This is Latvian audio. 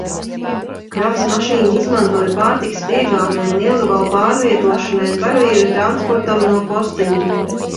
Kravas mašīnu izmantoja pārtikas piegādēm, lielgabalu pārvietošanai un karavīru transportam no posteņiem.